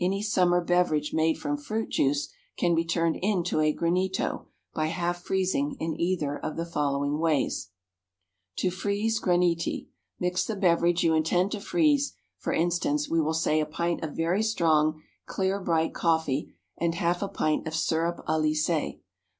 Any summer beverage made from fruit juice can be turned into a granito, by half freezing, in either of the following ways: To Freeze Graniti. Mix the beverage you intend to freeze, for instance, we will say, a pint of very strong, clear, bright coffee and half a pint of syrup à lissé.